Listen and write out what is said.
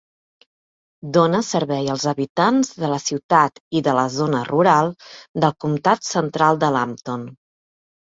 Dóna servei als habitants de la ciutat i de la zona rural del comtat central de Lambton.